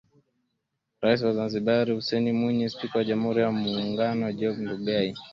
Rais wa Zanzibar Hussein Mwinyi spika wa jamhuri wa muungano Job Ndugai